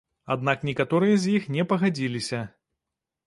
Аднак некаторыя з іх не пагадзіліся.